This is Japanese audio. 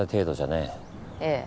ええ。